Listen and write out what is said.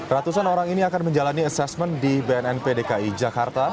ratusan orang ini akan menjalani asesmen di bnnp dki jakarta